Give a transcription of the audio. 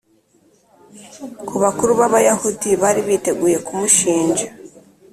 ku bakuru b Abayahudi bari biteguye kumushinja